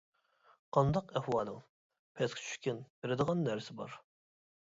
-قانداق ئەھۋالىڭ؟ پەسكە چۈشكىن، بېرىدىغان نەرسە بار.